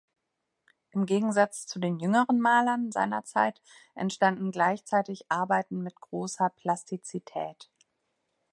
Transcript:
Im Gegensatz zu den jüngeren Malern seiner Zeit entstanden gleichzeitig Arbeiten mit großer Plastizität.